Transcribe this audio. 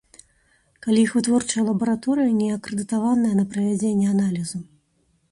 Калі іх вытворчая лабараторыя не акрэдытаваная на правядзенне аналізу.